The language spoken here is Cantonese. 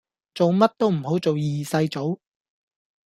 做乜都唔好做二世祖